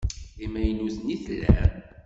D imaynuten i tellam?